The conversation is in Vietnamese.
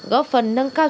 góp phần nâng cao